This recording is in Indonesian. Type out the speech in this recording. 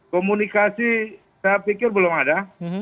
komunikasi saya pikir belum ada